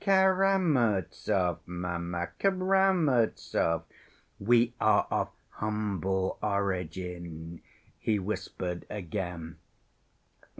"Karamazov, mamma, Karamazov. We are of humble origin," he whispered again.